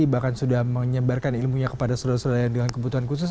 bahkan sudah menyebarkan ilmunya kepada saudara saudara yang dengan kebutuhan khusus